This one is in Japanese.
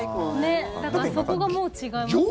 だからそこがもう違いますよね。